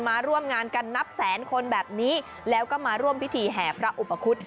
มาร่วมงานกันนับแสนคนแบบนี้แล้วก็มาร่วมพิธีแห่พระอุปคุฎ